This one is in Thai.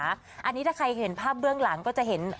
อันนี้ถ้าใครเห็นภาพเบื้องหลังก็จะเห็น